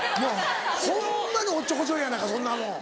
ホンマにおっちょこちょいやないかそんなもん。